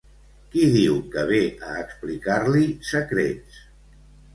Qui diu que ve a explicar-li secrets?